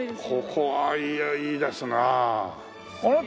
ここはいいですなあ。